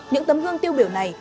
những tấm hương tiêu biểu này